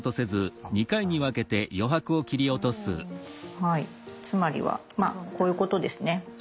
はいつまりはまあこういうことですね。